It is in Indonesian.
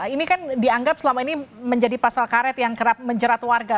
ini kan dianggap selama ini menjadi pasal karet yang kerap menjerat warga